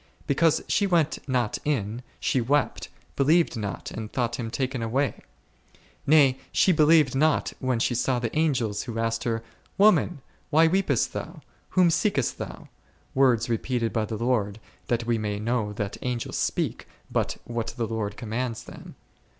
Because she went not in, she wept, believed not and thought Him taken away ; nay ! she believed not when she saw the Angels who asked her, Woman ! why weepest thou ? whom seekest thou ? words repeated by the Lord, that we may know that Angels speak but what the Lord commands them.